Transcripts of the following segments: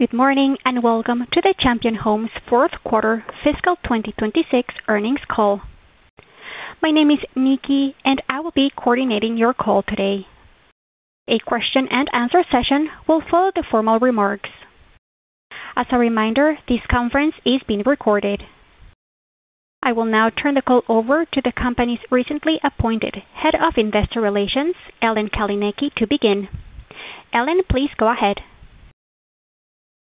Good morning, and welcome to the Champion Homes fourth quarter fiscal 2026 earnings call. My name is Nikki, and I will be coordinating your call today. A question-and-answer session will follow the formal remarks. As a reminder, this conference is being recorded. I will now turn the call over to the company's recently appointed Head of Investor Relations, Ellen Kaleniecki, to begin. Ellen, please go ahead.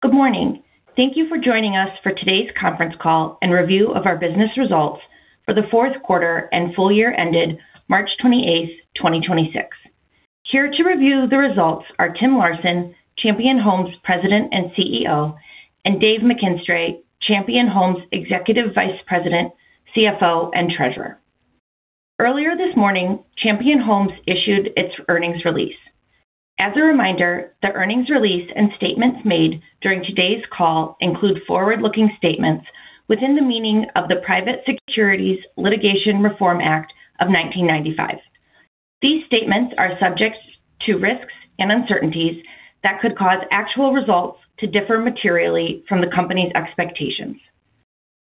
Good morning. Thank you for joining us for today's conference call and review of our business results for the fourth quarter and full year ended March 28th, 2026. Here to review the results are Tim Larson, Champion Homes President and CEO, and Dave McKinstray, Champion Homes Executive Vice President, CFO, and Treasurer. Earlier this morning, Champion Homes issued its earnings release. As a reminder, the earnings release and statements made during today's call include forward-looking statements within the meaning of the Private Securities Litigation Reform Act of 1995. These statements are subject to risks and uncertainties that could cause actual results to differ materially from the company's expectations.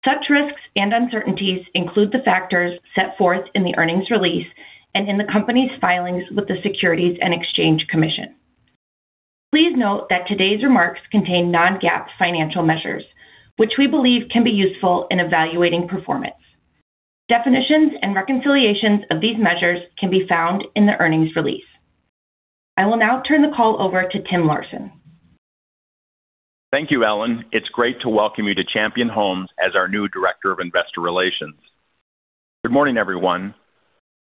Such risks and uncertainties include the factors set forth in the earnings release and in the company's filings with the Securities and Exchange Commission. Please note that today's remarks contain non-GAAP financial measures, which we believe can be useful in evaluating performance. Definitions and reconciliations of these measures can be found in the earnings release. I will now turn the call over to Tim Larson. Thank you, Ellen. It's great to welcome you to Champion Homes as our new Director of Investor Relations. Good morning, everyone.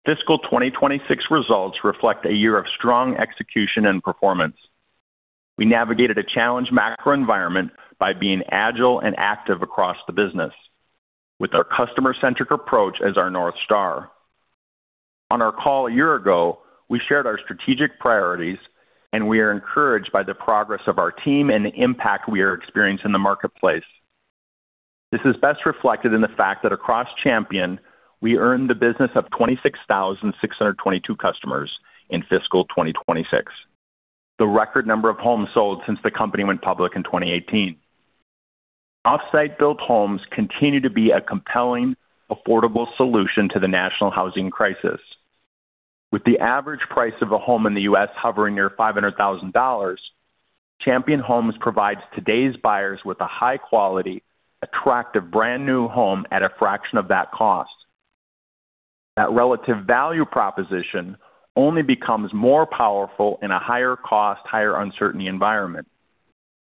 Fiscal 2026 results reflect a year of strong execution and performance. We navigated a challenged macro environment by being agile and active across the business, with our customer-centric approach as our North Star. On our call a year ago, we shared our strategic priorities, and we are encouraged by the progress of our team and the impact we are experiencing in the marketplace. This is best reflected in the fact that across Champion, we earned the business of 26,622 customers in fiscal 2026, the record number of homes sold since the company went public in 2018. Off-site built homes continue to be a compelling, affordable solution to the national housing crisis. With the average price of a home in the U.S. hovering near $500,000, Champion Homes provides today's buyers with a high-quality, attractive brand-new home at a fraction of that cost. That relative value proposition only becomes more powerful in a higher-cost, higher-uncertainty environment,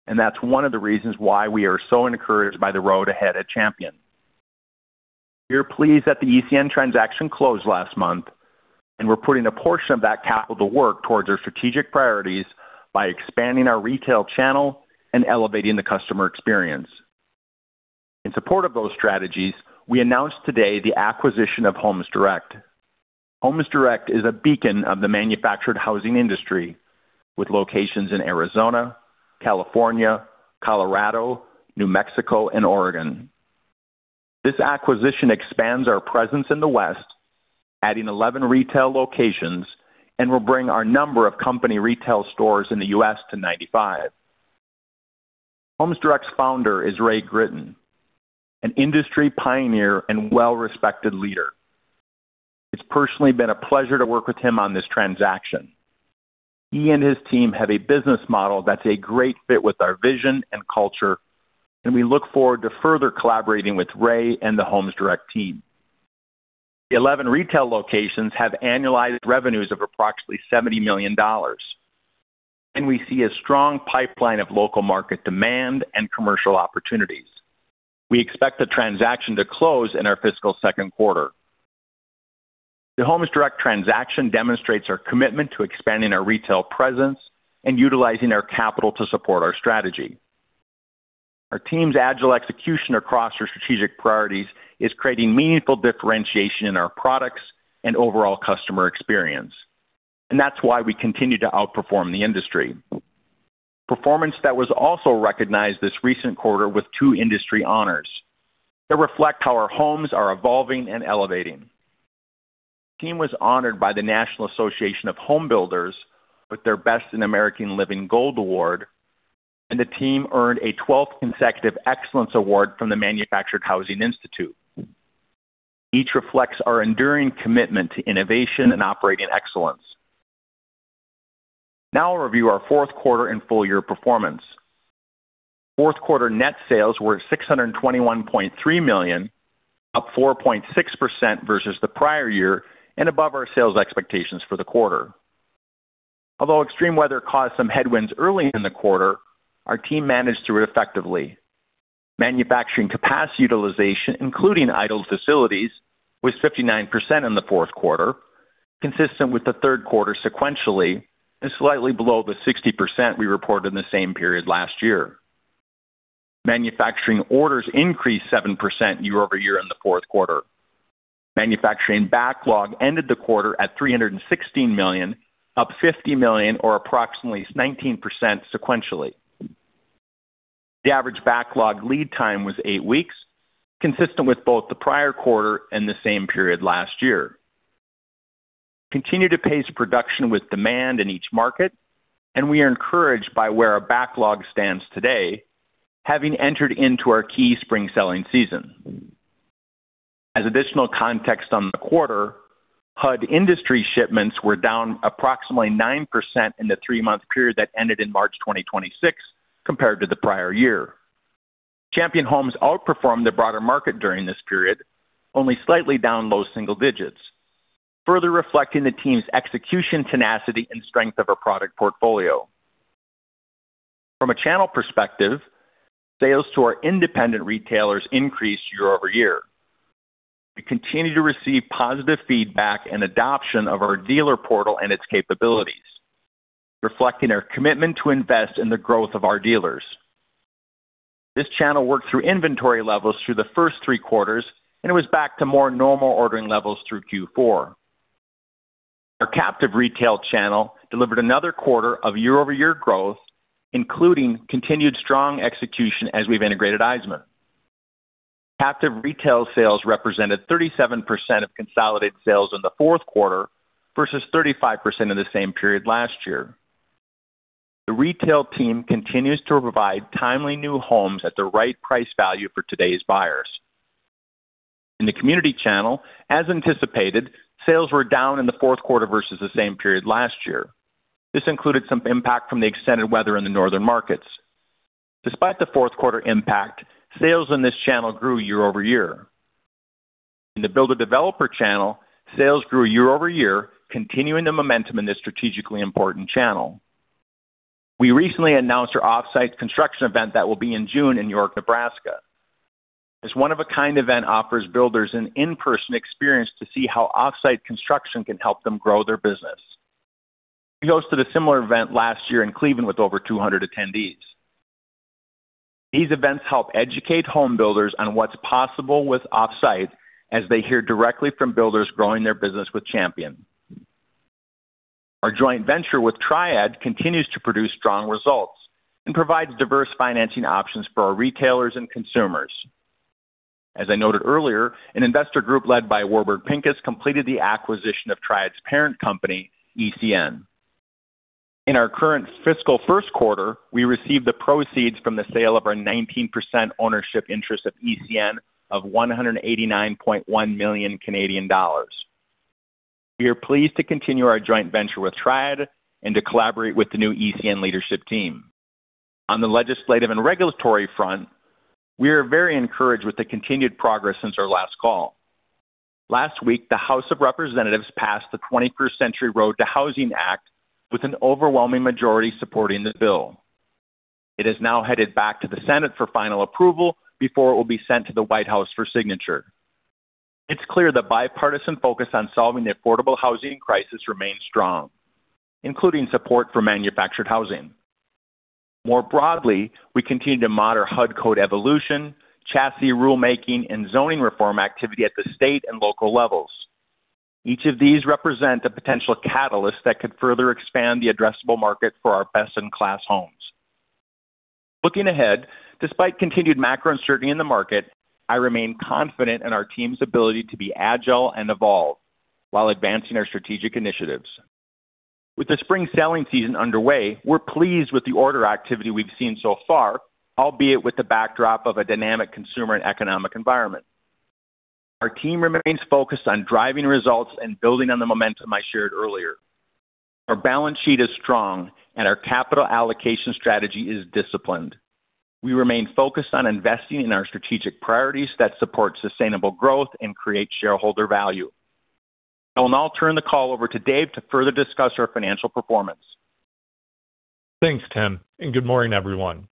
and that's one of the reasons why we are so encouraged by the road ahead at Champion. We are pleased that the ECN transaction closed last month, and we're putting a portion of that capital to work towards our strategic priorities by expanding our retail channel and elevating the customer experience. In support of those strategies, we announced today the acquisition of Homes Direct. Homes Direct is a beacon of the manufactured housing industry, with locations in Arizona, California, Colorado, New Mexico, and Oregon. This acquisition expands our presence in the West, adding 11 retail locations, and will bring our number of company retail stores in the U.S. to 95. Homes Direct's founder is Ray Gritton, an industry pioneer and well-respected leader. It's personally been a pleasure to work with him on this transaction. He and his team have a business model that's a great fit with our vision and culture, and we look forward to further collaborating with Ray and the Homes Direct team. The 11 retail locations have annualized revenues of approximately $70 million, and we see a strong pipeline of local market demand and commercial opportunities. We expect the transaction to close in our fiscal second quarter. The Homes Direct transaction demonstrates our commitment to expanding our retail presence and utilizing our capital to support our strategy. Our team's agile execution across our strategic priorities is creating meaningful differentiation in our products and overall customer experience, and that's why we continue to outperform the industry. Performance that was also recognized this recent quarter with two industry honors that reflect how our homes are evolving and elevating. The team was honored by the National Association of Home Builders with their Best in American Living Gold Award, and the team earned a 12th consecutive Excellence Award from the Manufactured Housing Institute. Each reflects our enduring commitment to innovation and operating excellence. Now I'll review our fourth quarter and full-year performance. Fourth quarter net sales were at $621.3 million, up 4.6% versus the prior year and above our sales expectations for the quarter. Although extreme weather caused some headwinds early in the quarter, our team managed through it effectively. Manufacturing capacity utilization, including idle facilities, was 59% in the fourth quarter, consistent with the third quarter sequentially and slightly below the 60% we reported in the same period last year. Manufacturing orders increased 7% year-over-year in the fourth quarter. Manufacturing backlog ended the quarter at $316 million, up $50 million or approximately 19% sequentially. The average backlog lead time was eight weeks, consistent with both the prior quarter and the same period last year. Continue to pace production with demand in each market, and we are encouraged by where our backlog stands today, having entered into our key spring selling season. As additional context on the quarter, HUD industry shipments were down approximately 9% in the three-month period that ended in March 2026 compared to the prior year. Champion Homes outperformed the broader market during this period, only slightly down low single digits, further reflecting the team's execution tenacity and strength of our product portfolio. From a channel perspective, sales to our independent retailers increased year-over-year. We continue to receive positive feedback and adoption of our dealer portal and its capabilities, reflecting our commitment to invest in the growth of our dealers. This channel worked through inventory levels through the first three quarters and was back to more normal ordering levels through Q4. Our captive retail channel delivered another quarter of year-over-year growth, including continued strong execution as we've integrated Iseman. Captive retail sales represented 37% of consolidated sales in the fourth quarter versus 35% in the same period last year. The retail team continues to provide timely new homes at the right price value for today's buyers. In the community channel, as anticipated, sales were down in the fourth quarter versus the same period last year. This included some impact from the extended weather in the northern markets. Despite the fourth quarter impact, sales in this channel grew year-over-year. In the builder developer channel, sales grew year-over-year, continuing the momentum in a strategically important channel. We recently announced our off-site construction event that will be in June in York, Nebraska. This one-of-a-kind event offers builders an in-person experience to see how off-site construction can help them grow their business. We hosted a similar event last year in Cleveland with over 200 attendees. These events help educate home builders on what's possible with off-site as they hear directly from builders growing their business with Champion. Our joint venture with Triad continues to produce strong results and provides diverse financing options for our retailers and consumers. As I noted earlier, an investor group led by Warburg Pincus completed the acquisition of Triad's parent company, ECN. In our current fiscal first quarter, we received the proceeds from the sale of our 19% ownership interest at ECN of 189.1 million Canadian dollars. We are pleased to continue our joint venture with Triad and to collaborate with the new ECN leadership team. On the legislative and regulatory front, we are very encouraged with the continued progress since our last call. Last week, the House of Representatives passed the 21st Century ROAD to Housing Act with an overwhelming majority supporting the bill. It is now headed back to the Senate for final approval before it will be sent to the White House for signature. It's clear the bipartisan focus on solving the affordable housing crisis remains strong, including support for manufactured housing. More broadly, we continue to monitor HUD code evolution, chassis rulemaking, and zoning reform activity at the state and local levels. Each of these represent a potential catalyst that could further expand the addressable market for our best-in-class homes. Looking ahead, despite continued macro uncertainty in the market, I remain confident in our team's ability to be agile and evolve while advancing our strategic initiatives. With the spring selling season underway, we're pleased with the order activity we've seen so far, albeit with the backdrop of a dynamic consumer and economic environment. Our team remains focused on driving results and building on the momentum I shared earlier. Our balance sheet is strong, and our capital allocation strategy is disciplined. We remain focused on investing in our strategic priorities that support sustainable growth and create shareholder value. I will now turn the call over to Dave to further discuss our financial performance. Thanks, Tim. Good morning, everyone.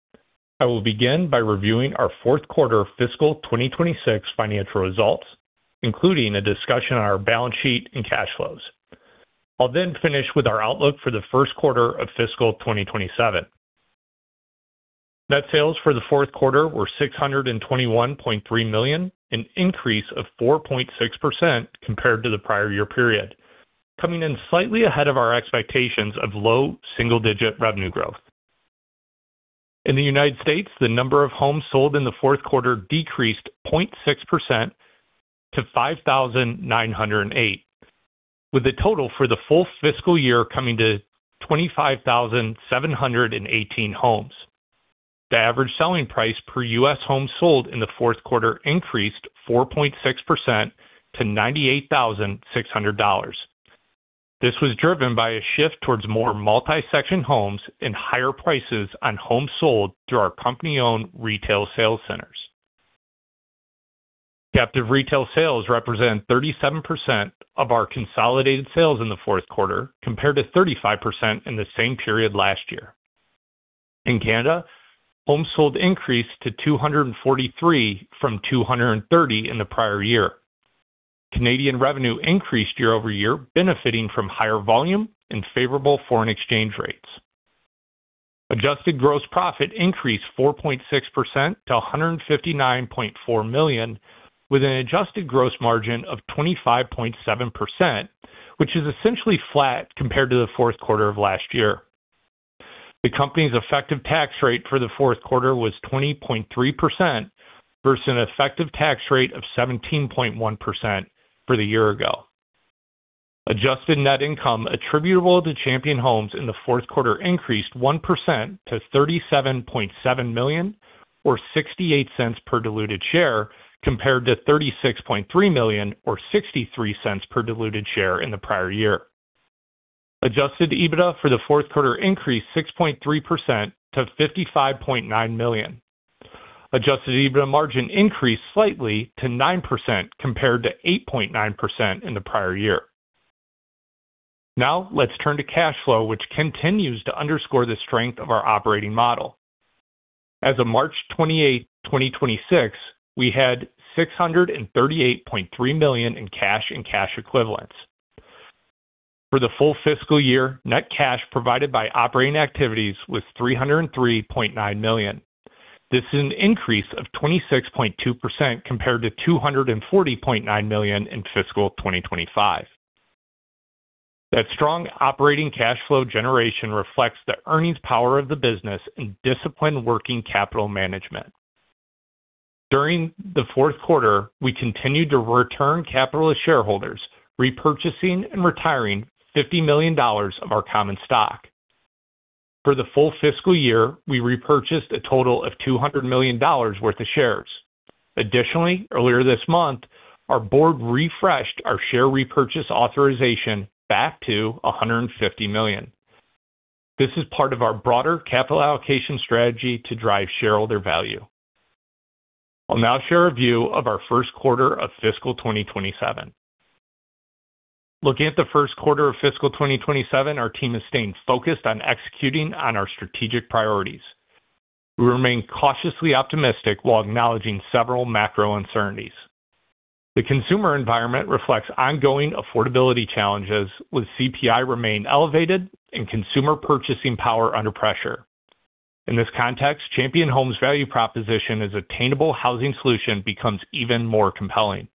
I will begin by reviewing our fourth quarter fiscal 2026 financial results, including a discussion on our balance sheet and cash flows. I'll finish with our outlook for the first quarter of fiscal 2027. Net sales for the fourth quarter were $621.3 million, an increase of 4.6% compared to the prior year period, coming in slightly ahead of our expectations of low double single-digit revenue growth. In the U.S., the number of homes sold in the fourth quarter decreased 0.6% to 5,908, with a total for the full fiscal year coming to 25,718 homes. The average selling price per U.S. home sold in the fourth quarter increased 4.6% to $98,600. This was driven by a shift towards more multi-section homes and higher prices on homes sold through our company-owned retail sales centers. Captive retail sales represent 37% of our consolidated sales in the fourth quarter, compared to 35% in the same period last year. In Canada, homes sold increased to 243 from 230 in the prior year. Canadian revenue increased year-over-year, benefiting from higher volume and favorable foreign exchange rates. Adjusted gross profit increased 4.6% to $159.4 million with an adjusted gross margin of 25.7%, which is essentially flat compared to the fourth quarter of last year. The company's effective tax rate for the fourth quarter was 20.3%, versus an effective tax rate of 17.1% for the year ago. Adjusted net income attributable to Champion Homes in the fourth quarter increased 1% to $37.7 million, or $0.68 per diluted share, compared to $36.3 million or $0.63 per diluted share in the prior year. Adjusted EBITDA for the fourth quarter increased 6.3% to $55.9 million. Adjusted EBITDA margin increased slightly to 9%, compared to 8.9% in the prior year. Now let's turn to cash flow, which continues to underscore the strength of our operating model. As of March 28, 2026, we had $638.3 million in cash and cash equivalents. For the full fiscal year, net cash provided by operating activities was $303.9 million. This is an increase of 26.2%, compared to $240.9 million in fiscal 2025. That strong operating cash flow generation reflects the earnings power of the business and disciplined working capital management. During the fourth quarter, we continued to return capital to shareholders, repurchasing and retiring $50 million of our common stock. For the full fiscal year, we repurchased a total of $200 million worth of shares. Additionally, earlier this month, our board refreshed our share repurchase authorization back to $150 million. This is part of our broader capital allocation strategy to drive shareholder value. I'll now share a view of our first quarter of fiscal 2027. Looking at the first quarter of fiscal 2027, our team has stayed focused on executing on our strategic priorities. We remain cautiously optimistic while acknowledging several macro uncertainties. The consumer environment reflects ongoing affordability challenges, with CPI remaining elevated and consumer purchasing power under pressure. In this context, Champion Homes' value proposition as an attainable housing solution becomes even more compelling.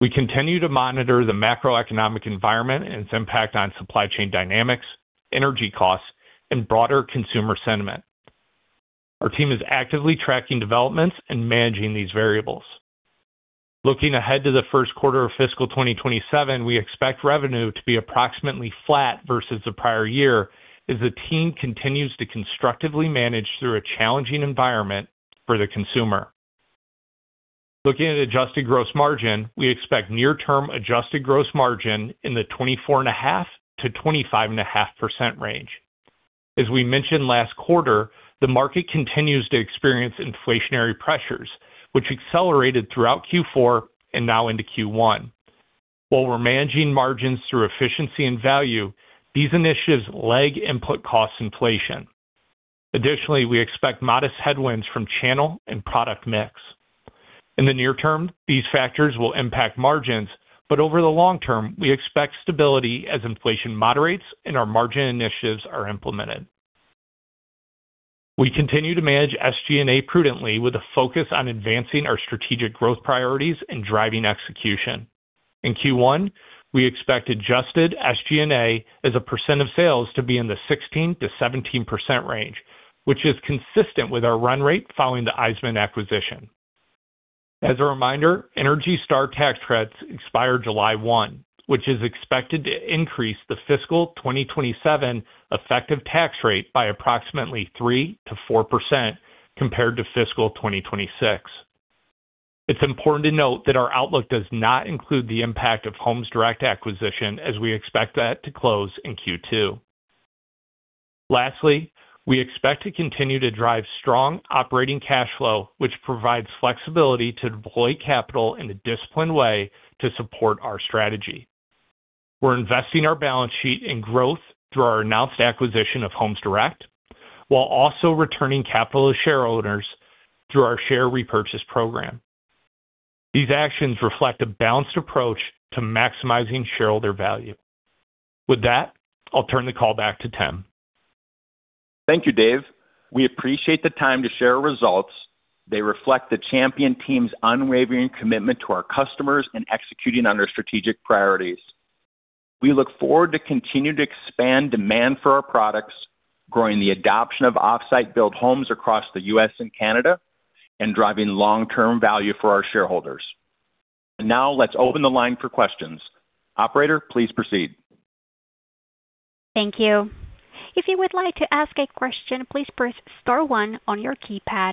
We continue to monitor the macroeconomic environment and its impact on supply chain dynamics, energy costs, and broader consumer sentiment. Our team is actively tracking developments and managing these variables. Looking ahead to the first quarter of fiscal 2027, we expect revenue to be approximately flat versus the prior year as the team continues to constructively manage through a challenging environment for the consumer. Looking at adjusted gross margin, we expect near-term adjusted gross margin in the 24.5%-25.5% range. As we mentioned last quarter, the market continues to experience inflationary pressures, which accelerated throughout Q4 and now into Q1. While we're managing margins through efficiency and value, these initiatives lag input cost inflation. Additionally, we expect modest headwinds from channel and product mix. In the near term, these factors will impact margins, but over the long term, we expect stability as inflation moderates and our margin initiatives are implemented. We continue to manage SG&A prudently with a focus on advancing our strategic growth priorities and driving execution. In Q1, we expect adjusted SG&A as a percent of sales to be in the 16%-17% range, which is consistent with our run rate following the Iseman acquisition. As a reminder, ENERGY STAR tax credits expire July 1, which is expected to increase the fiscal 2027 effective tax rate by approximately 3%-4% compared to fiscal 2026. It's important to note that our outlook does not include the impact of Homes Direct acquisition as we expect that to close in Q2. Lastly, we expect to continue to drive strong operating cash flow, which provides flexibility to deploy capital in a disciplined way to support our strategy. We're investing our balance sheet in growth through our announced acquisition of Homes Direct, while also returning capital to shareholders through our share repurchase program. These actions reflect a balanced approach to maximizing shareholder value. With that, I'll turn the call back to Tim. Thank you, Dave. We appreciate the time to share our results. They reflect the Champion team's unwavering commitment to our customers and executing on our strategic priorities. We look forward to continuing to expand demand for our products, growing the adoption of off-site build homes across the U.S. and Canada, and driving long-term value for our shareholders. Now let's open the line for questions. Operator, please proceed. Thank you If you would like to ask question, please press star one on your keypad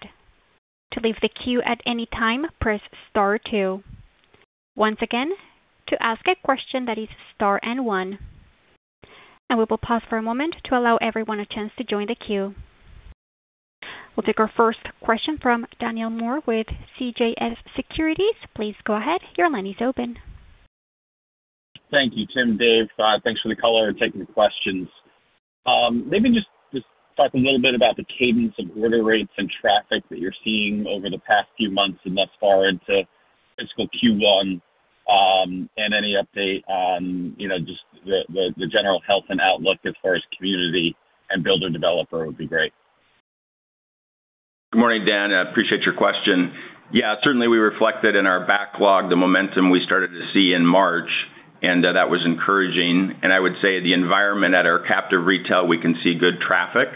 to leave the queue at any time press star two. Once again to ask question that is star and one we will pause for moment allow everyone to join the queue. We'll take our first question from Daniel Moore with CJS Securities. Please go ahead. Your line is open. Thank you, Tim, Dave. Thanks for the color. I'll take your questions. Maybe just talk a little bit about the cadence of order rates and traffic that you're seeing over the past few months and thus far into fiscal Q1. Any update on just the general health and outlook as far as community and builder developer would be great. Good morning, Dan. I appreciate your question. Certainly we reflected in our backlog the momentum we started to see in March. That was encouraging. I would say the environment at our captive retail, we can see good traffic.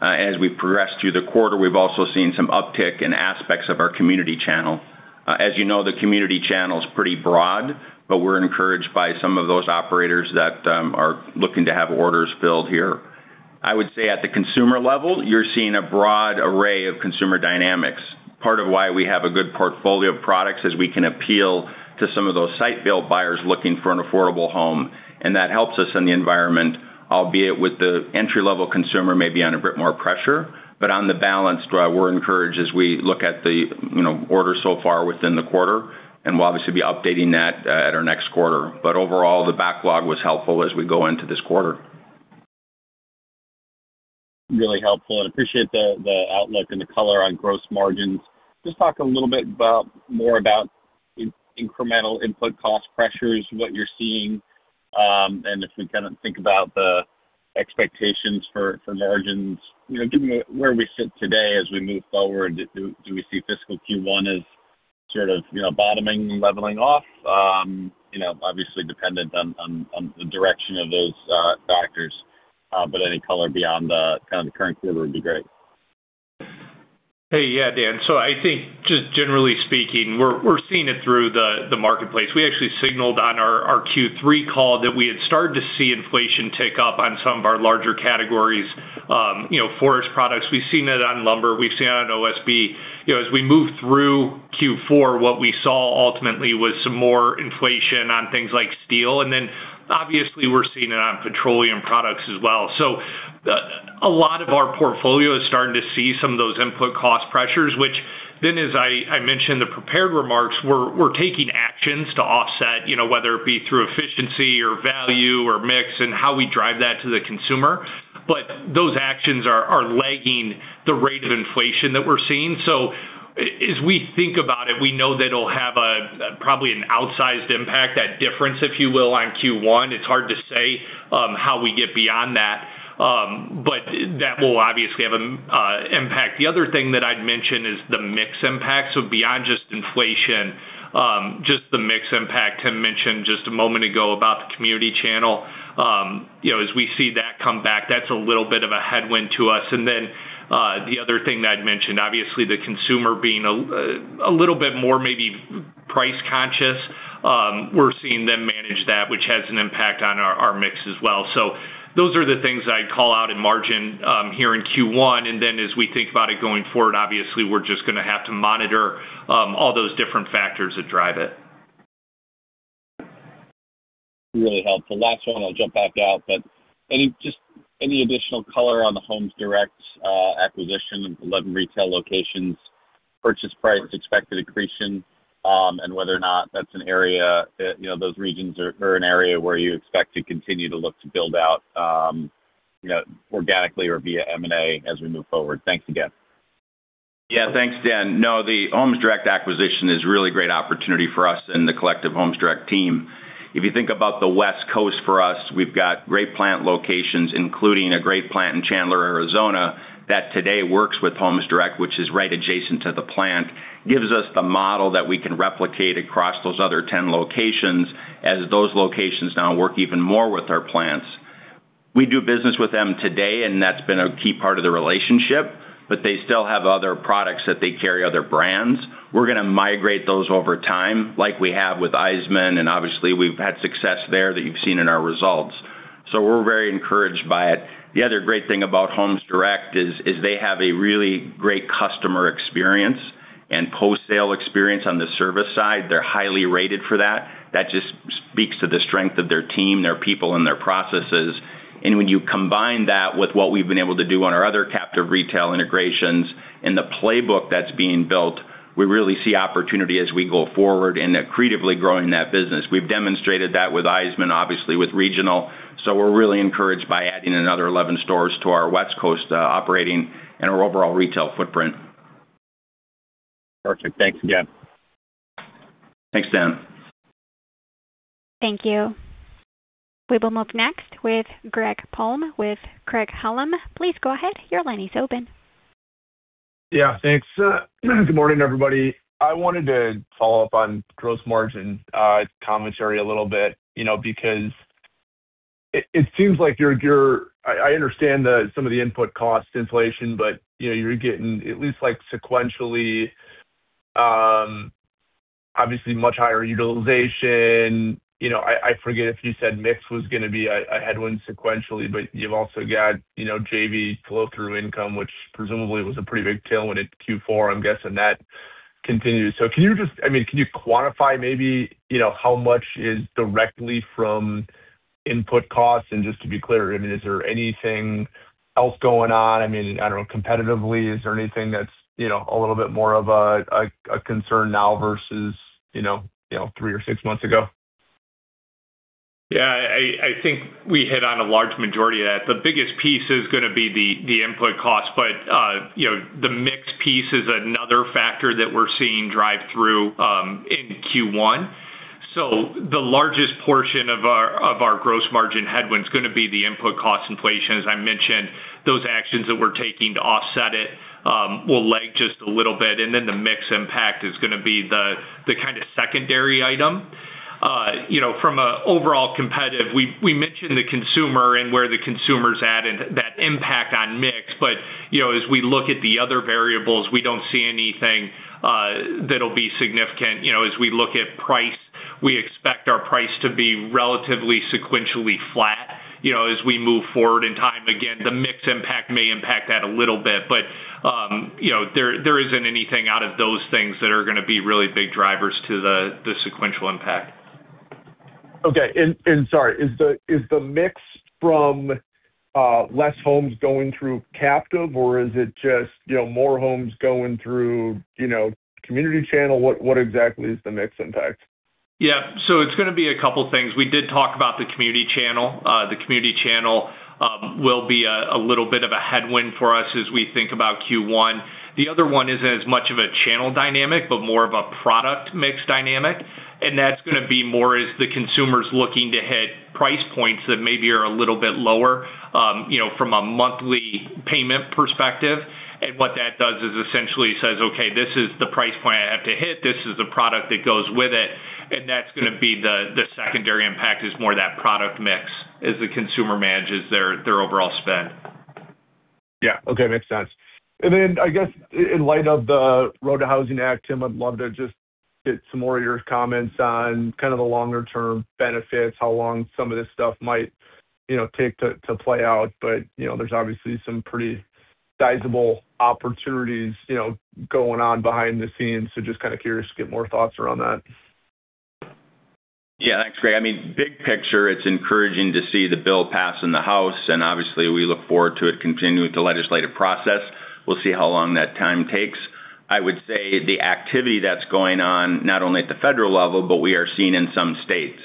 As we progress through the quarter, we've also seen some uptick in aspects of our community channel. As you know, the community channel is pretty broad. We're encouraged by some of those operators that are looking to have orders filled here. I would say at the consumer level, you're seeing a broad array of consumer dynamics. Part of why we have a good portfolio of products is we can appeal to some of those site build buyers looking for an affordable home. That helps us in the environment, albeit with the entry-level consumer maybe under a bit more pressure. On the balance, we're encouraged as we look at the orders so far within the quarter, and we'll obviously be updating that at our next quarter. Overall, the backlog was helpful as we go into this quarter. Really helpful. I appreciate the outlook and the color on gross margins. Just talk a little bit more about incremental input cost pressures, what you're seeing, and as we think about the expectations for margins, given where we sit today as we move forward, do we see fiscal Q1 as sort of bottoming and leveling off? Obviously dependent on the direction of those factors, any color beyond the current quarter would be great. Hey. Yeah, Dan. I think just generally speaking, we're seeing it through the marketplace. We actually signaled on our Q3 call that we had started to see inflation tick up on some of our larger categories. Forest products, we've seen it on lumber, we've seen it on OSB. As we moved through Q4, what we saw ultimately was some more inflation on things like steel, and obviously we're seeing it on petroleum products as well. A lot of our portfolio is starting to see some of those input cost pressures, which then, as I mentioned in the prepared remarks, we're taking actions to offset, whether it be through efficiency or value or mix and how we drive that to the consumer. Those actions are lagging the rate of inflation that we're seeing. As we think about it, we know that it'll have probably an outsized impact, that difference, if you will, on Q1. It's hard to say how we get beyond that. That will obviously have an impact. The other thing that I'd mention is the mix impact. Beyond just inflation, just the mix impact I mentioned just a moment ago about the community channel. As we see that come back, that's a little bit of a headwind to us. The other thing that I'd mention, obviously the consumer being a little bit more maybe price-conscious. We're seeing them manage that, which has an impact on our mix as well. Those are the things that I'd call out in margin here in Q1. As we think about it going forward, obviously, we're just going to have to monitor all those different factors that drive it. Really helpful. Actually, I want to jump back out, but just any additional color on the Homes Direct acquisition, 11 retail locations, purchase price, expected accretion, and whether or not those regions are an area where you expect to continue to look to build out organically or via M&A as we move forward? Thanks again. Yeah. Thanks, Dan. No, the Homes Direct acquisition is a really great opportunity for us and the collective Homes Direct team. If you think about the West Coast for us, we've got great plant locations, including a great plant in Chandler, Arizona, that today works with Homes Direct, which is right adjacent to the plant. Gives us the model that we can replicate across those other 10 locations as those locations now work even more with our plants. We do business with them today, and that's been a key part of the relationship, but they still have other products that they carry, other brands. We're going to migrate those over time like we have with Iseman, and obviously we've had success there that you've seen in our results. We're very encouraged by it. The other great thing about Homes Direct is they have a really great customer experience and post-sale experience on the service side. They're highly rated for that. That just speaks to the strength of their team, their people, and their processes. When you combine that with what we've been able to do on our other captive retail integrations and the playbook that's being built, we really see opportunity as we go forward in accretively growing that business. We've demonstrated that with Iseman, obviously with Regional. We're really encouraged by adding another 11 stores to our West Coast operating and our overall retail footprint. Perfect. Thanks again. Thanks, Dan. Thank you. We will move next with Greg Palm with Craig-Hallum. Please go ahead. Yeah, thanks. Good morning, everybody. I wanted to follow up on gross margin commentary a little bit, because it seems like I understand that some of the input cost inflation, but you're getting at least sequentially, obviously much higher utilization. I forget if you said mix was going to be a headwind sequentially, but you've also got JV flow-through income, which presumably was a pretty big tailwind at Q4. I'm guessing that continues. Can you quantify maybe how much is directly from input cost? Just to be clear, is there anything else going on? I don't know, competitively, is there anything that's a little bit more of a concern now versus three or six months ago? Yeah. I think we hit on a large majority of that. The biggest piece is going to be the input cost. The mix piece is another factor that we're seeing drive through in Q1. The largest portion of our gross margin headwind is going to be the input cost inflation. As I mentioned, those actions that we're taking to offset it will lag just a little bit, and then the mix impact is going to be the kind of secondary item. From an overall competitive, we mentioned the consumer and where the consumer's at and that impact on mix, but as we look at the other variables, we don't see anything that'll be significant. As we look at price, we expect our price to be relatively sequentially flat as we move forward in time. The mix impact may impact that a little bit, but there isn't anything out of those things that are going to be really big drivers to the sequential impact. Okay. Sorry, is the mix from less homes going through captive or is it just more homes going through community channel? What exactly is the mix impact? Yeah. It's going to be a couple things. We did talk about the community channel. The community channel will be a little bit of a headwind for us as we think about Q1. The other one isn't as much of a channel dynamic but more of a product mix dynamic, and that's going to be more as the consumer's looking to hit price points that maybe are a little bit lower from a monthly payment perspective. What that does is essentially says, okay, this is the price point I have to hit, this is the product that goes with it, and that's going to be the secondary impact is more that product mix as the consumer manages their overall spend. Yeah. Okay. Makes sense. Then I guess in light of the ROAD to Housing Act, Tim, I'd love to just get some more of your comments on kind of the longer-term benefits, how long some of this stuff might take to play out. There's obviously some pretty sizable opportunities going on behind the scenes. Just kind of curious to get more thoughts around that. Yeah. Thanks, Greg. Big picture, it's encouraging to see the bill pass in the House, obviously we look forward to it continuing with the legislative process. We'll see how long that time takes. I would say the activity that's going on not only at the federal level, but we are seeing in some states.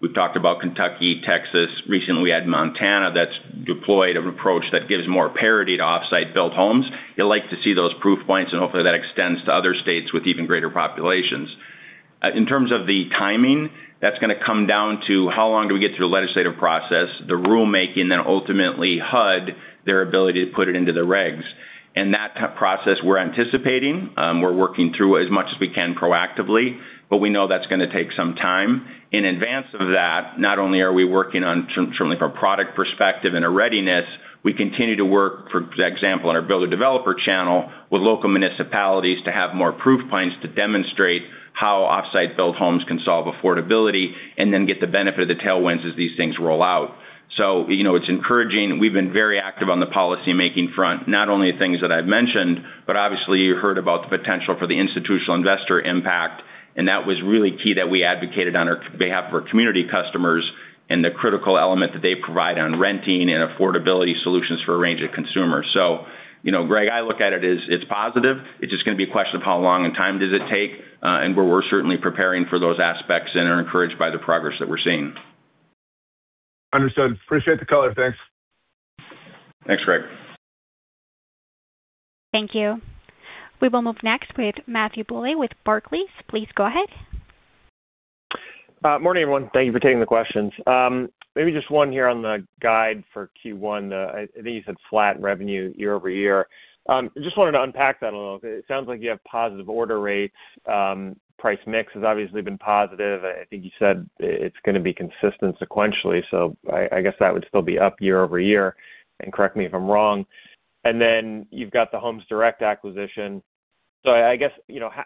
We've talked about Kentucky, Texas. Recently, we had Montana that's deployed an approach that gives more parity to off-site built homes. You like to see those proof points and hopefully that extends to other states with even greater populations. In terms of the timing, that's going to come down to how long do we get through the legislative process, the rulemaking, and ultimately HUD, their ability to put it into the regs. That process we're anticipating. We're working through as much as we can proactively, but we know that's going to take some time. In advance of that, not only are we working on certainly from a product perspective and a readiness, we continue to work, for example, in our builder developer channel with local municipalities to have more proof points to demonstrate how off-site built homes can solve affordability and then get the benefit of the tailwinds as these things roll out. It's encouraging. We've been very active on the policymaking front, not only the things that I've mentioned, but obviously you heard about the potential for the institutional investor impact, and that was really key that we advocated on behalf of our community customers and the critical element that they provide on renting and affordability solutions for a range of consumers. Greg, I look at it as it's positive. It's just going to be a question of how long in time does it take and where we're certainly preparing for those aspects and are encouraged by the progress that we're seeing. Understood. Appreciate the color. Thanks. Thanks, Greg. Thank you. We will move next with Matthew Bouley with Barclays. Please go ahead. Morning, everyone. Thank you for taking the questions. Just one here on the guide for Q1. I think you said flat revenue year-over-year. Just wanted to unpack that a little bit. It sounds like you have positive order rates. Price mix has obviously been positive. I think you said it's going to be consistent sequentially, so I guess that would still be up year-over-year, and correct me if I'm wrong. You've got the Homes Direct acquisition. I guess,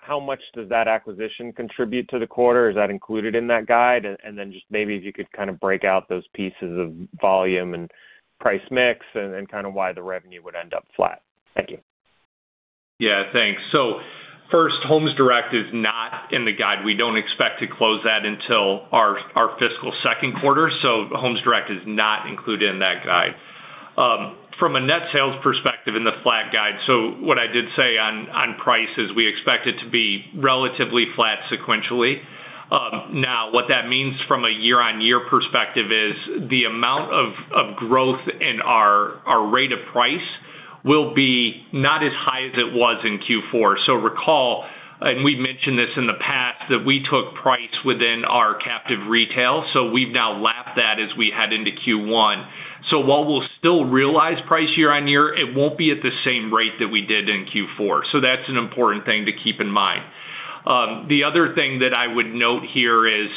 how much does that acquisition contribute to the quarter? Is that included in that guide? Just maybe if you could kind of break out those pieces of volume and price mix and then kind of why the revenue would end up flat. Thank you. Yeah. Thanks. First, Homes Direct is not in the guide. We don't expect to close that until our fiscal second quarter. Homes Direct is not included in that guide. From a net sales perspective in the flat guide, what I did say on price is we expect it to be relatively flat sequentially. What that means from a year-on-year perspective is the amount of growth in our rate of price will be not as high as it was in Q4. Recall, and we've mentioned this in the past, that we took price within our captive retail. We've now lapped that as we head into Q1. While we'll still realize price year-on-year, it won't be at the same rate that we did in Q4. That's an important thing to keep in mind. The other thing that I would note here is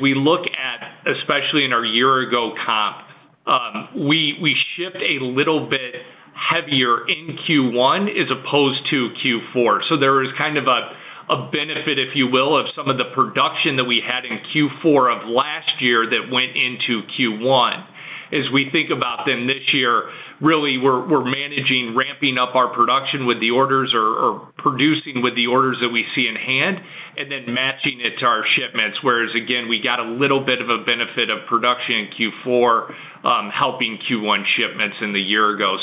we look at, especially in our year-ago comp, we ship a little bit heavier in Q1 as opposed to Q4. There is kind of a benefit, if you will, of some of the production that we had in Q4 of last year that went into Q1. As we think about then this year, really, we're managing ramping up our production with the orders or producing with the orders that we see in hand and then matching it to our shipments. Whereas again, we got a little bit of a benefit of production in Q4 helping Q1 shipments in the year-ago.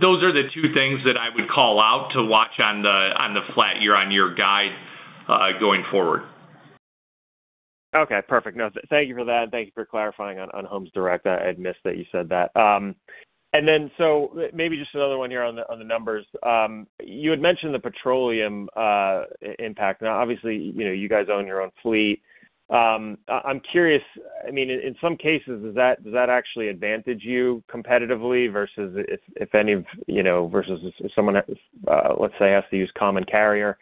Those are the two things that I would call out to watch on the flat year-on-year guide going forward. Okay. Perfect. Thank you for that. Thank you for clarifying on Homes Direct. I had missed that you said that. Maybe just another one here on the numbers. You had mentioned the petroleum impact. Obviously, you guys own your own fleet. I'm curious, in some cases, does that actually advantage you competitively versus if someone, let's say, has to use common carrier?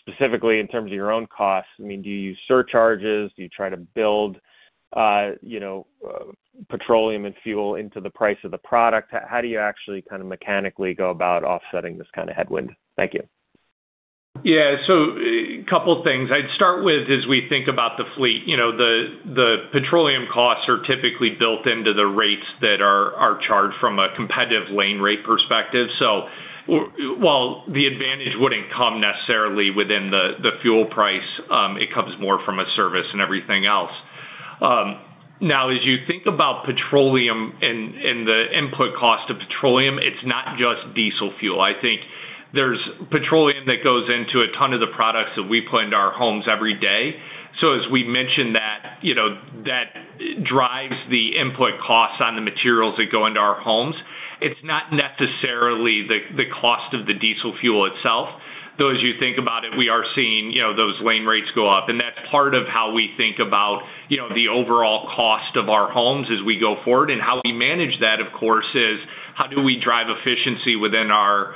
Specifically in terms of your own costs, do you use surcharges? Do you try to build petroleum and fuel into the price of the product? How do you actually mechanically go about offsetting this kind of headwind? Thank you. Yeah. A couple of things. I'd start with, as we think about the fleet, the petroleum costs are typically built into the rates that are charged from a competitive lane rate perspective. While the advantage wouldn't come necessarily within the fuel price, it comes more from a service and everything else. Now, as you think about petroleum and the input cost of petroleum, it's not just diesel fuel. I think there's petroleum that goes into a ton of the products that we put in our homes every day. As we mentioned that drives the input costs on the materials that go into our homes. It's not necessarily the cost of the diesel fuel itself, though as you think about it, we are seeing those lane rates go up. That's part of how we think about the overall cost of our homes as we go forward. How we manage that, of course, is how do we drive efficiency within our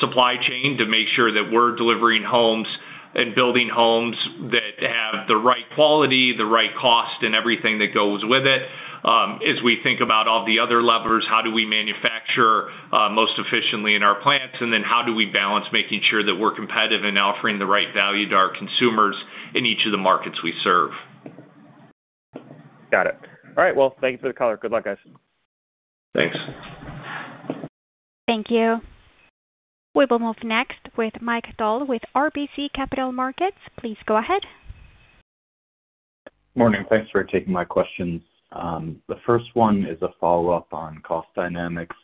supply chain to make sure that we're delivering homes and building homes that have the right quality, the right cost, and everything that goes with it. As we think about all the other levers, how do we manufacture most efficiently in our plants, and then how do we balance making sure that we're competitive and offering the right value to our consumers in each of the markets we serve? Got it. All right, well, thanks for the color. Good luck, guys. Thanks. Thank you. We move next with Mike Dahl with RBC Capital Markets. Please go ahead. Morning. Thanks for taking my questions. The first one is a follow-up on cost dynamics.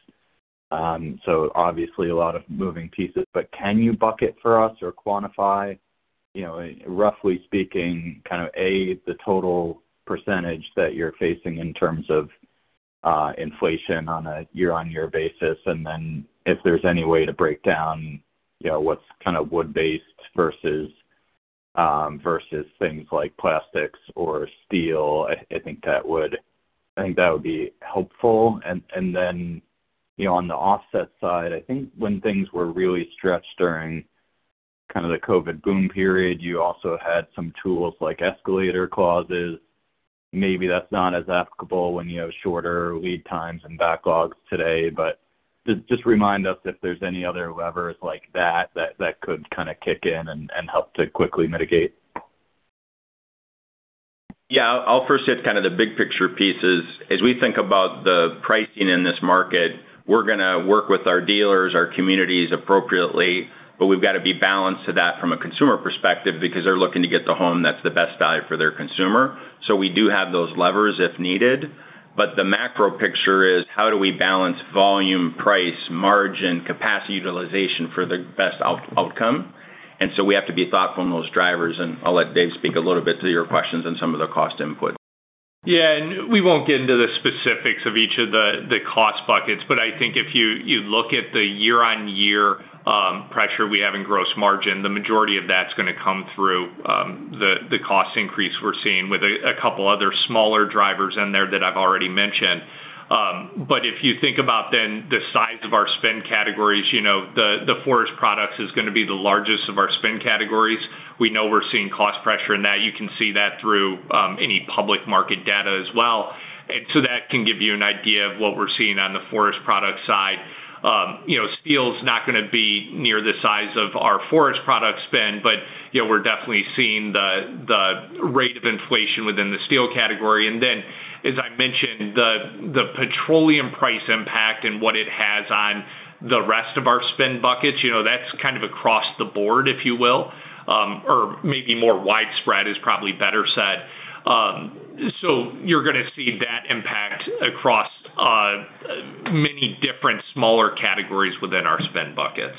Obviously, a lot of moving pieces, but can you bucket for us or quantify, roughly speaking, A, the total percentage that you're facing in terms of inflation on a year-on-year basis, and then if there's any way to break down what's wood-based versus things like plastics or steel? I think that would be helpful. On the offset side, I think when things were really stretched during the COVID boom period, you also had some tools like escalator clauses. Maybe that's not as applicable when you have shorter lead times and backlogs today, just remind us if there's any other levers like that that could kick in and help to quickly mitigate. Yeah, I'll first hit the big picture pieces. As we think about the pricing in this market, we're going to work with our dealers, our communities appropriately, but we've got to be balanced to that from a consumer perspective because they're looking to get the home that's the best value for their consumer. We do have those levers if needed. The macro picture is how do we balance volume, price, margin, capacity utilization for the best outcome? We have to be thoughtful in those drivers. I'll let Dave speak a little bit to your questions and some of the cost inputs. Yeah. We won't get into the specifics of each of the cost buckets, but I think if you look at the year-on-year pressure we have in gross margin, the majority of that's going to come through the cost increase we're seeing with a couple other smaller drivers in there that I've already mentioned. If you think about then the size of our spend categories, the forest products is going to be the largest of our spend categories. We know we're seeing cost pressure in that. You can see that through any public market data as well. That can give you an idea of what we're seeing on the forest product side. Steel's not going to be near the size of our forest product spend, but we're definitely seeing the rate of inflation within the steel category. Then, as I mentioned, the petroleum price impact and what it has on the rest of our spend buckets, that's kind of across the board, if you will, or maybe more widespread is probably better said. You're going to see that impact across many different smaller categories within our spend buckets.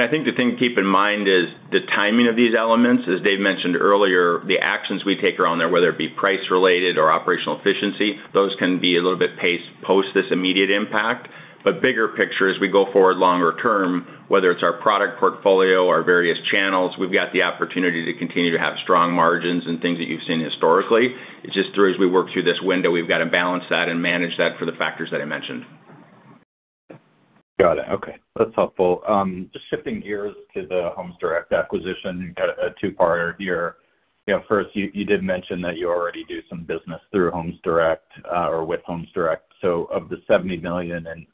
I think the thing to keep in mind is the timing of these elements. As Dave mentioned earlier, the actions we take around there, whether it be price-related or operational efficiency, those can be a little bit post this immediate impact. Bigger picture, as we go forward longer term, whether it's our product portfolio, our various channels, we've got the opportunity to continue to have strong margins and things that you've seen historically. It's just through as we work through this window, we've got to balance that and manage that for the factors that I mentioned. Got it. Okay. That's helpful. Just shifting gears to the Homes Direct acquisition, a two-parter here. First, you did mention that you already do some business through Homes Direct or with Homes Direct. Of the $70 million in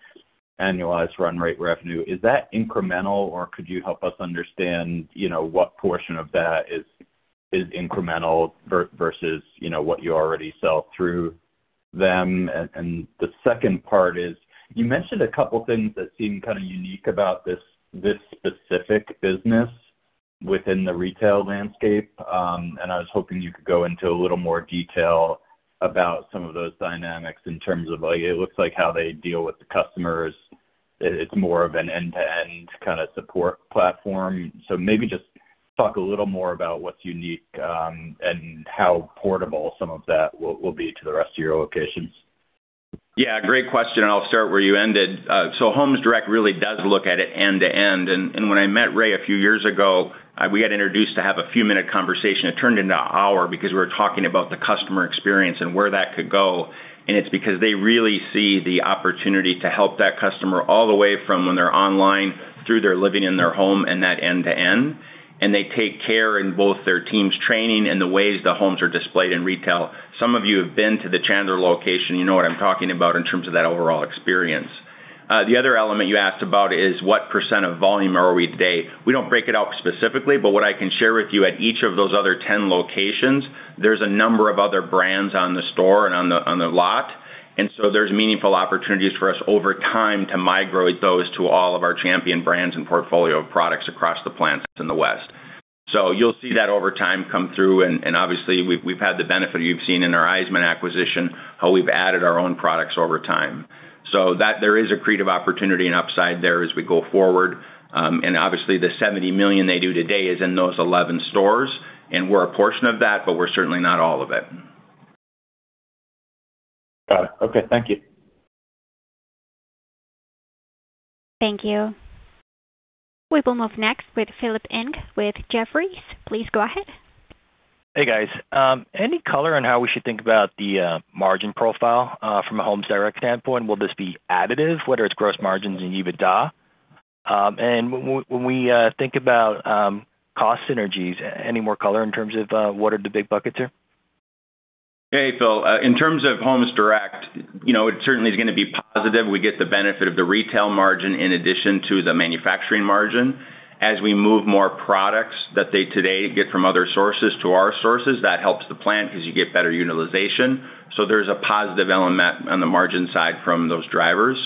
annualized run rate revenue, is that incremental, or could you help us understand what portion of that is incremental versus what you already sell through them? The second part is, you mentioned a couple things that seem kind of unique about this specific business within the retail landscape. I was hoping you could go into a little more detail about some of those dynamics in terms of it looks like how they deal with the customers. It's more of an end-to-end kind of support platform. Maybe just talk a little more about what's unique, and how portable some of that will be to the rest of your locations. Yeah, great question. I'll start where you ended. Homes Direct really does look at it end to end. When I met Ray a few years ago, we got introduced to have a few minute conversation. It turned into an hour because we were talking about the customer experience and where that could go. It's because they really see the opportunity to help that customer all the way from when they're online through their living in their home and that end to end. They take care in both their team's training and the ways the homes are displayed in retail. Some of you have been to the Chandler location. You know what I'm talking about in terms of that overall experience. The other element you asked about is what percent of volume are we today? We don't break it out specifically, but what I can share with you, at each of those other 10 locations, there's a number of other brands on the store and on the lot. There's meaningful opportunities for us over time to migrate those to all of our Champion brands and portfolio of products across the plants in the West. You'll see that over time come through, and obviously we've had the benefit you've seen in our Iseman acquisition, how we've added our own products over time. There is accretive opportunity and upside there as we go forward. Obviously the $70 million they do today is in those 11 stores, and we're a portion of that, but we're certainly not all of it. Got it. Okay, thank you. Thank you. We're almost next with Philip Ng with Jefferies. Please go ahead. Hey, guys. Any color on how we should think about the margin profile from a Homes Direct standpoint? Will this be additive? What are its gross margins and EBITDA? When we think about cost synergies, any more color in terms of what are the big buckets here? Hey, Phil. In terms of Homes Direct, it certainly is going to be positive. We get the benefit of the retail margin in addition to the manufacturing margin. As we move more products that they today get from other sources to our sources, that helps the plant because you get better utilization. There's a positive element on the margin side from those drivers.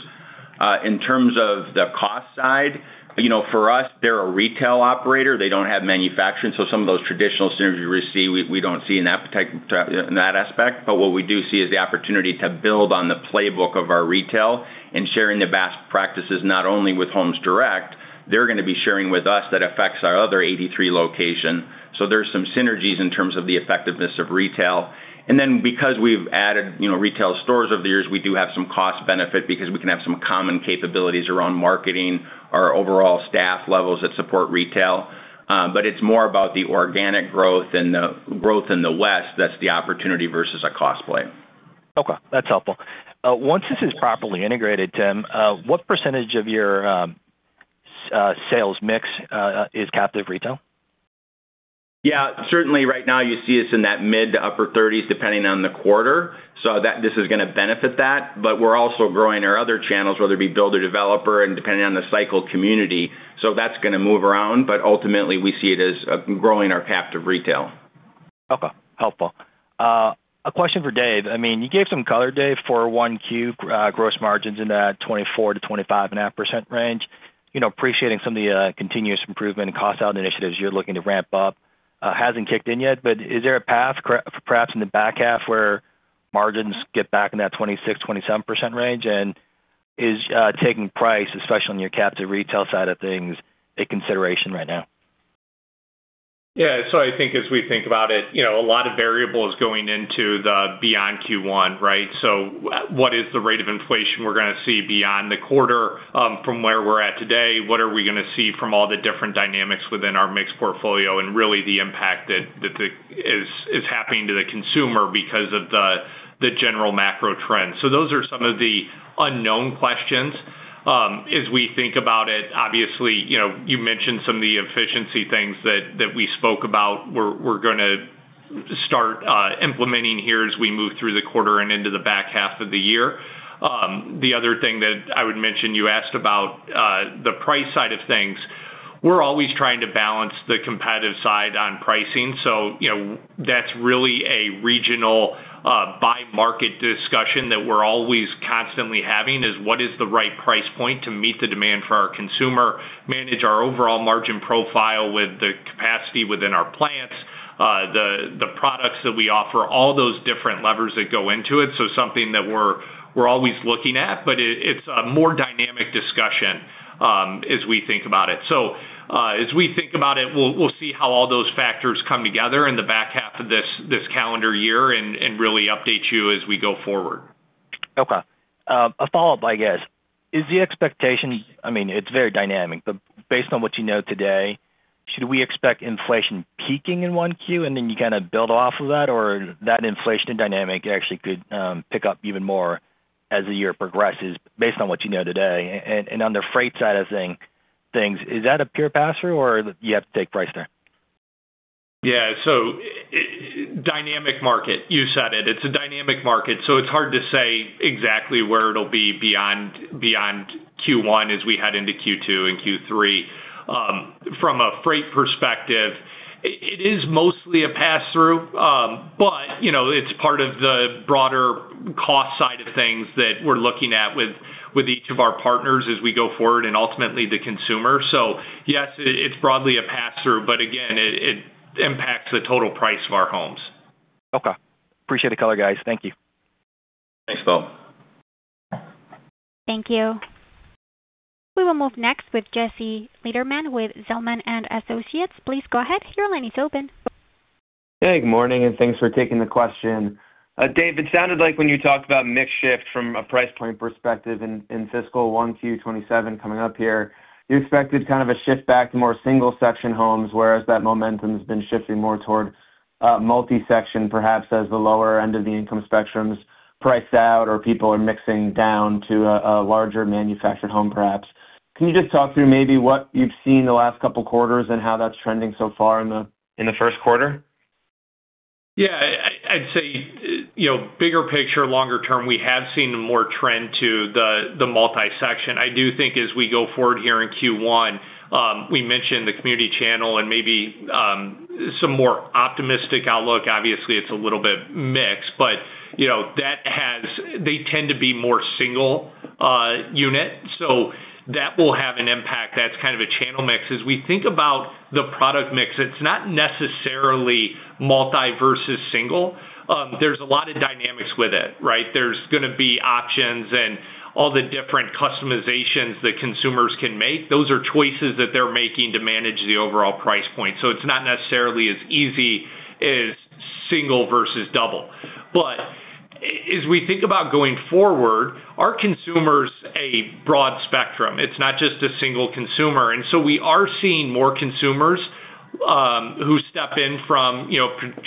In terms of the cost side, for us, they're a retail operator. They don't have manufacturing, so some of those traditional synergies we see, we don't see in that aspect. What we do see is the opportunity to build on the playbook of our retail and sharing the best practices, not only with Homes Direct, they're going to be sharing with us, that affects our other 83 locations. There's some synergies in terms of the effectiveness of retail. Then because we've added retail stores over the years, we do have some cost benefit because we can have some common capabilities around marketing, our overall staff levels that support retail. It's more about the organic growth and the growth in the West. That's the opportunity versus a cost play. Okay, that's helpful. Once this is properly integrated, Tim, what percentage of your sales mix is captive retail? Certainly right now you see us in that mid to upper 30s, depending on the quarter. This is going to benefit that. We're also growing our other channels, whether it be build a developer and depending on the cycle community. That's going to move around. Ultimately we see it as growing our captive retail. Okay, helpful. A question for Dave. You gave some color, Dave, for 1Q gross margins in that 24%-25.5% range. Appreciating some of the continuous improvement and cost down initiatives you're looking to ramp up hasn't kicked in yet, is there a path perhaps in the back half where margins get back in that 26%-27% range? Is taking price, especially on your captive retail side of things, a consideration right now? I think as we think about it, a lot of variables going into the beyond Q1, right? What is the rate of inflation we're going to see beyond the quarter from where we're at today? What are we going to see from all the different dynamics within our mixed portfolio and really the impact that is happening to the consumer because of the general macro trends? Those are some of the unknown questions. As we think about it, obviously, you mentioned some of the efficiency things that we spoke about we're going to start implementing here as we move through the quarter and into the back half of the year. The other thing that I would mention, you asked about the price side of things. We're always trying to balance the competitive side on pricing. That's really a regional by market discussion that we're always constantly having is what is the right price point to meet the demand for our consumer, manage our overall margin profile with the capacity within our plants, the products that we offer, all those different levers that go into it. Something that we're always looking at, but it's a more dynamic discussion as we think about it. As we think about it, we'll see how all those factors come together in the back half of this calendar year and really update you as we go forward. Okay. A follow-up, I guess. Is the expectation, it's very dynamic, but based on what you know today, should we expect inflation peaking in 1Q and then you kind of build off of that? Or that inflation dynamic actually could pick up even more as the year progresses based on what you know today? On the freight side of things, is that a pure pass-through or do you have to take price there? Yeah. Dynamic market, you said it. It's a dynamic market, it's hard to say exactly where it'll be beyond Q1 as we head into Q2 and Q3. From a freight perspective, it is mostly a pass-through, it's part of the broader cost side of things that we're looking at with each of our partners as we go forward and ultimately the consumer. Yes, it's broadly a pass-through, again, it impacts the total price of our homes. Okay. Appreciate the color, guys. Thank you. Thanks, Philip Ng. Thank you. We will move next with Jesse Lederman with Zelman & Associates. Please go ahead. Your line is open. Hey, good morning, and thanks for taking the question. Dave, it sounded like when you talked about mix shift from a price point perspective in fiscal 1Q 2027 coming up here, you expected kind of a shift back to more single-section homes, whereas that momentum has been shifting more toward multi-section, perhaps as the lower end of the income spectrum is priced out or people are mixing down to a larger manufactured home, perhaps. Can you just talk through maybe what you've seen the last couple of quarters and how that's trending so far in the first quarter? I'd say, bigger picture, longer term, we have seen more trend to the multi-section. I do think as we go forward here in Q1, we mentioned the community channel and maybe some more optimistic outlook. Obviously, it's a little bit mixed, but they tend to be more single unit. That will have an impact. That's kind of a channel mix. As we think about the product mix, it's not necessarily multi versus single. There's a lot of dynamics with it, right? There's going to be options and all the different customizations that consumers can make. Those are choices that they're making to manage the overall price point. It's not necessarily as easy as single versus double. As we think about going forward, our consumer's a broad spectrum. It's not just a single consumer. We are seeing more consumers who step in from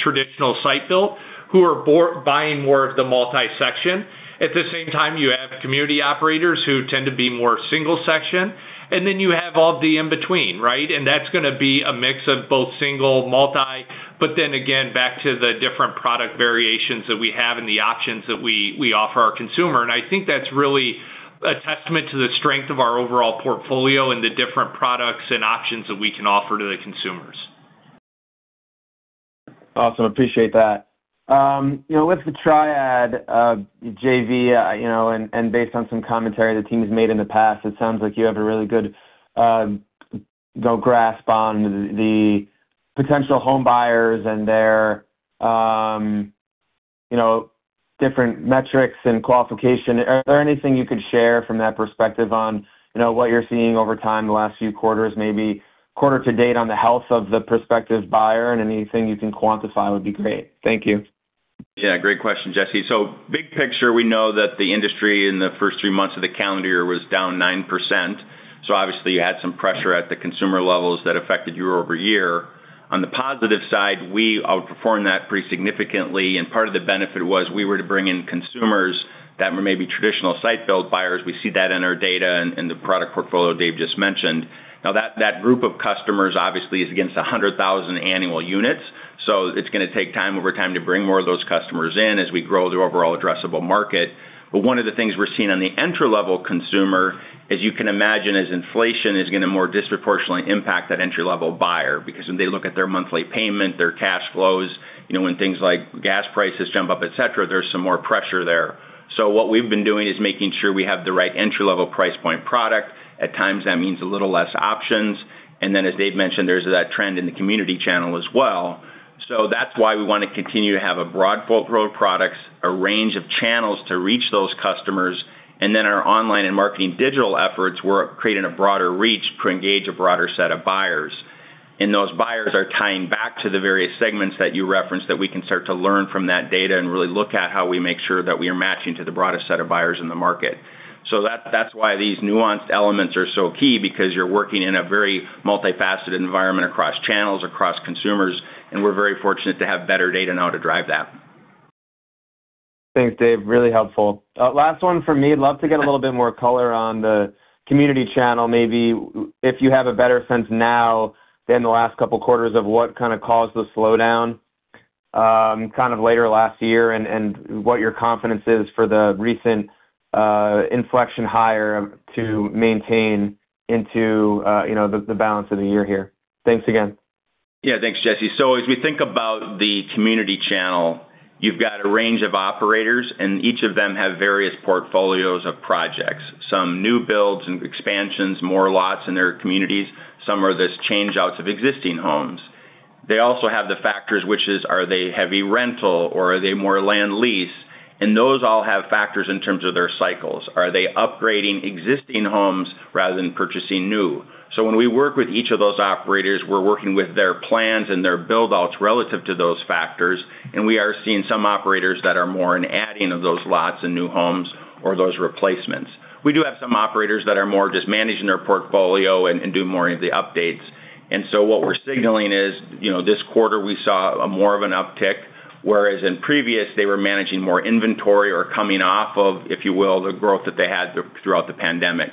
traditional site-built who are buying more of the multi-section. At the same time, you have community operators who tend to be more single section, and then you have all the in between, right? That's going to be a mix of both single, multi. Again, back to the different product variations that we have and the options that we offer our consumer. I think that's really a testament to the strength of our overall portfolio and the different products and options that we can offer to the consumers. Awesome. Appreciate that. With the Triad JV, based on some commentary the team has made in the past, it sounds like you have a really good grasp on the potential homebuyers and their different metrics and qualification. Is there anything you could share from that perspective on what you're seeing over time the last few quarters, maybe quarter to date on the health of the prospective buyer? Anything you can quantify would be great. Thank you. Yeah, great question, Jesse. Big picture, we know that the industry in the first three months of the calendar year was down 9%. Obviously you had some pressure at the consumer levels that affected year-over-year. On the positive side, we outperformed that pretty significantly, and part of the benefit was we were to bring in consumers that were maybe traditional site-built buyers. We see that in our data and the product portfolio Dave just mentioned. That group of customers obviously is against 100,000 annual units, so it's going to take time over time to bring more of those customers in as we grow the overall addressable market. One of the things we're seeing on the entry-level consumer, as you can imagine, is inflation is going to more disproportionately impact that entry-level buyer. Because when they look at their monthly payment, their cash flows, when things like gas prices jump up, et cetera, there's some more pressure there. What we've been doing is making sure we have the right entry-level price point product. At times, that means a little less options. As Dave mentioned, there's that trend in the community channel as well. That's why we want to continue to have a broad portfolio of products, a range of channels to reach those customers. Our online and marketing digital efforts, we're creating a broader reach to engage a broader set of buyers. Those buyers are tying back to the various segments that you referenced that we can start to learn from that data and really look at how we make sure that we are matching to the broadest set of buyers in the market. That's why these nuanced elements are so key, because you're working in a very multifaceted environment across channels, across consumers, and we're very fortunate to have better data now to drive that. Thanks, Dave. Really helpful. Last one from me. Love to get a little bit more color on the community channel. Maybe if you have a better sense now than the last couple of quarters of what kind of caused the slowdown kind of later last year and what your confidence is for the recent inflection higher to maintain into the balance of the year here. Thanks again. Yeah, thanks, Jesse. As we think about the community channel, you've got a range of operators, and each of them have various portfolios of projects, some new builds and expansions, more lots in their communities. Some are this change out of existing homes. They also have the factors, which is, are they heavy rental or are they more land lease? Those all have factors in terms of their cycles. Are they upgrading existing homes rather than purchasing new? When we work with each of those operators, we're working with their plans and their build-outs relative to those factors. We are seeing some operators that are more in adding of those lots of new homes or those replacements. We do have some operators that are more just managing their portfolio and doing more of the updates. What we're signaling is, this quarter we saw more of an uptick, whereas in previous they were managing more inventory or coming off of, if you will, the growth that they had throughout the pandemic.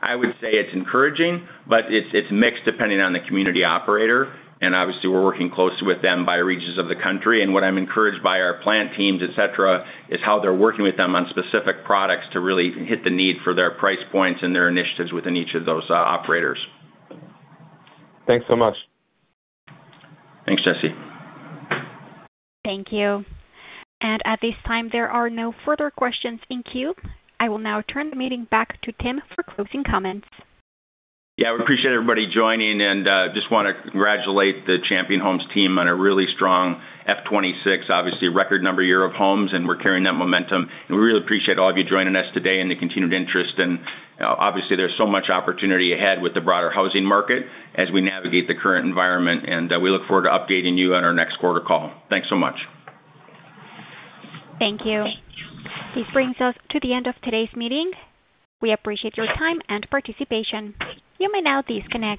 I would say it's encouraging, but it's mixed depending on the community operator. Obviously we're working closely with them by regions of the country. What I'm encouraged by our plant teams, et cetera, is how they're working with them on specific products to really hit the need for their price points and their initiatives within each of those operators. Thanks so much. Thanks, Jesse. Thank you. At this time, there are no further questions in queue. I will now turn the meeting back to Tim for closing comments. Yeah, we appreciate everybody joining, and just want to congratulate the Champion Homes team on a really strong FY 2026, obviously record number year of homes, and we're carrying that momentum. We really appreciate all of you joining us today and the continued interest. Obviously there's so much opportunity ahead with the broader housing market as we navigate the current environment, and we look forward to updating you on our next quarter call. Thanks so much. Thank you. This brings us to the end of today's meeting. We appreciate your time and participation. You may now disconnect.